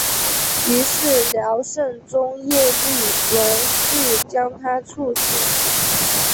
于是辽圣宗耶律隆绪将他处死。